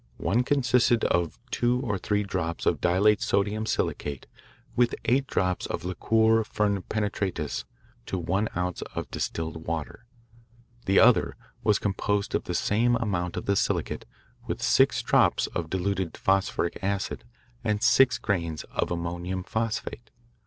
One consisted of two or three drops of dilute sodium silicate with eight drops of liquor fern pernitratis to one ounce of distilled water. The other was composed of the same amount of the silicate with six drops of dilute phosphoric acid and six grains of ammonium phosphate.